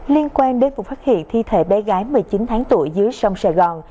liên quan đến vụ phát hiện thi thể bé gái một mươi chín tháng tuổi dưới sông sài gòn